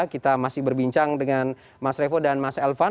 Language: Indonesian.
kita masih berbincang dengan mas revo dan mas elvan